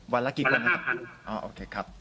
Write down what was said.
วันละกี่คนครับ